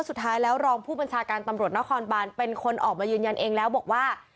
สุดท้ายแล้วรองผู้บัญชาการตำรวจนครบานเป็นคนออกมายืนยันเองแล้วบอกว่า